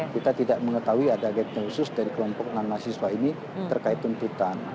kita tidak mengetahui ada agenda khusus dari kelompok non mahasiswa ini terkait tuntutan